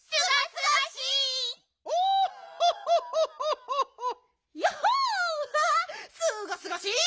すがすがしい！